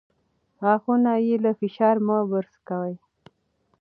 غاښونه بې له فشار مه برس کوئ.